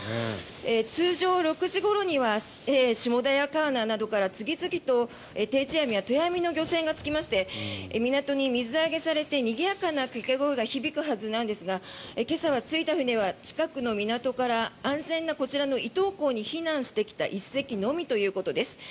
通常６時ごろには下田から次々と定置網や漁船が着きましてにぎやかな声が聞こえるはずなんですが今朝着いた船は近くの港から安全なこちらの伊東港に避難してきた１隻のみということです。